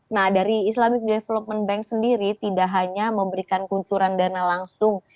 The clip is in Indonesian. nah dari islamic development bank sendiri tidak hanya memberikan kuncuran dana langsung